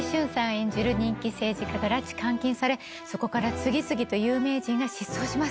演じる人気政治家が拉致監禁されそこから次々と有名人が失踪します。